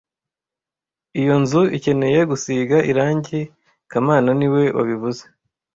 Iyo nzu ikeneye gusiga irangi kamana niwe wabivuze